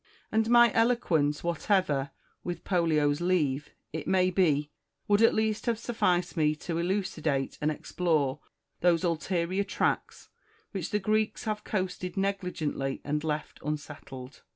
And my eloquence, whatever (Avith Pollio's leave) it may be, would at least have sufficed me to elucidate and explore those ulterior tracts, which the Oreeks have coasted negligently and left unsettled.